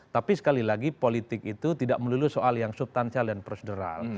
tapi sekali lagi politik itu tidak melulu soal yang subtansial dan prosedural